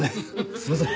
すいません。